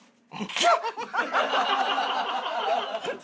「キャッ！」。